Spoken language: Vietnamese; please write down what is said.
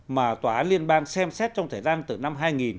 mà tòa án liên bang xem xét trong thời gian từ năm hai nghìn